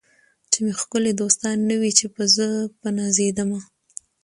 چي مي ښکلي دوستان نه وي چي به زه په نازېدمه